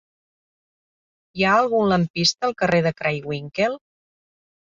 Hi ha algun lampista al carrer de Craywinckel?